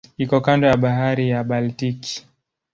Iko kando ya Bahari ya Baltiki.